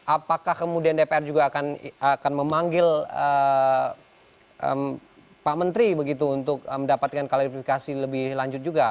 apakah kemudian dpr juga akan memanggil pak menteri begitu untuk mendapatkan klarifikasi lebih lanjut juga